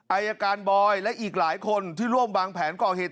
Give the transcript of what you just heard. อายการบอยและอีกหลายคนที่ร่วมวางแผนก่อเหตุ